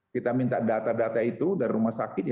kita minta data data itu dari rumah sakit